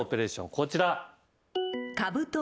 こちら。